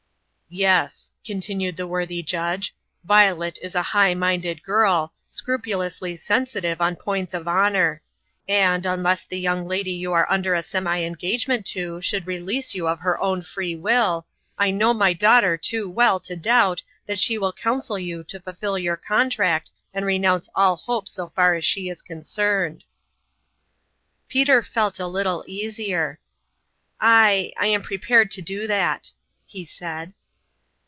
"Yes," continued the worthy judge, "Yio let is a high minded girl, scrupulously sensitive on points of honor ; and, unless the young lady you are under a semi engagement to should re lease you of her own free will, I know my daugh ter too well to doubt that she will counsel you to fulfill your contract and renounce all hope so far as she is concerned." Peter felt a little easier. " I I am prepared to do that," he said.